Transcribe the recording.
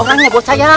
orangnya buat saya